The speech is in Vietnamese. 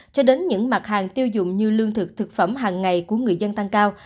cho đến những mặt hàng tiêu dùng như lương thực thực phẩm hàng ngày của người dân tăng cao